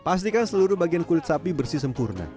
pastikan seluruh bagian kulit sapi bersih sempurna